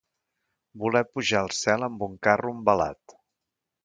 Voler pujar al cel amb un carro envelat.